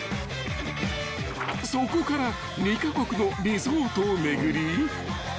［そこから２カ国のリゾートを巡り